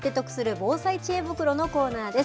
防災知恵袋のコーナーです。